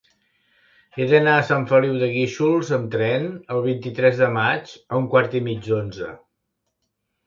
He d'anar a Sant Feliu de Guíxols amb tren el vint-i-tres de maig a un quart i mig d'onze.